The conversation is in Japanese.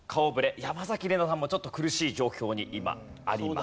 山崎怜奈さんもちょっと苦しい状況に今あります。